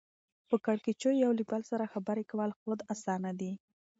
په کېړکیچو یو له بله سره خبرې کول خود اسانه دي